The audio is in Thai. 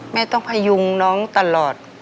แม่ต้องพยุงน้องตลอด